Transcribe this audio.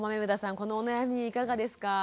このお悩みいかがですか？